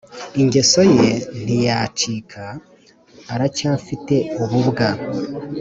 Ingeso ye ntiyacika aracyafite ububwa